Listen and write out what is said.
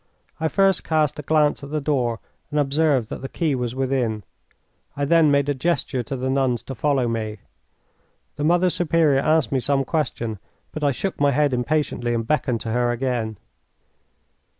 I first cast a glance at the door and observed that the key was within. I then made a gesture to the nuns to follow me. The Mother Superior asked me some question, but I shook my head impatiently and beckoned to her again.